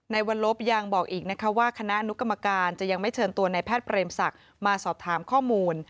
ในวรรณวรรณกรรมการจะยังไม่เชิญตัวในแพทย์เผรมศักดิ์มาสอบถามข้อมูล